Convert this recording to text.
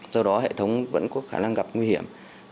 do đó hệ thống vẫn có khả năng gặp nguy hiểm